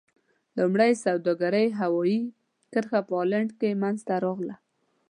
لومړنۍ سوداګرۍ هوایي کرښه په هالند کې منځته راغله.